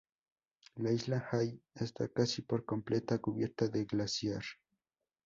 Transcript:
La isla Hall está casi por completa cubierta de glaciar.